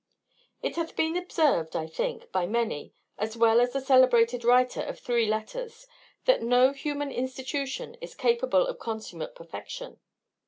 It hath been observed, I think, by many, as well as the celebrated writer of three letters, that no human institution is capable of consummate perfection.